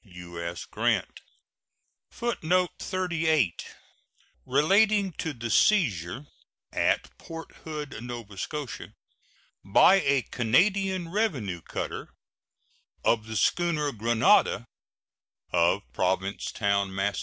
U.S. GRANT. [Footnote 38: Relating to the seizure at Port Hood, Nova Scotia, by a Canadian revenue cutter, of the schooner Granada, of Provincetown, Mass.